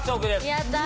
やった！